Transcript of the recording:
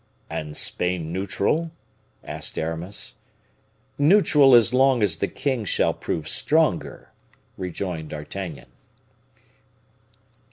"And Spain neutral?" asked Aramis. "Neutral as long as the king shall prove stronger," rejoined D'Artagnan.